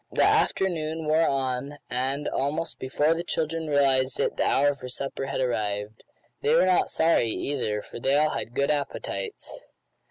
The afternoon wore on, and, almost before the children realized it the hour for supper had arrived. They were not sorry, either, for they all had good appetites.